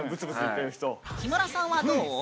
木村さんはどう？